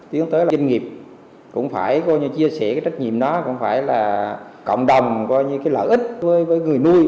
tiến tới là doanh nghiệp cũng phải chia sẻ trách nhiệm đó cũng phải là cộng đồng có những lợi ích với người nuôi